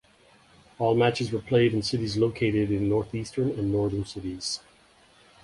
All matches were played in cities located in Northeastern and Northern cities.